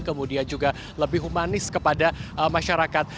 kemudian juga lebih humanis kepada masyarakat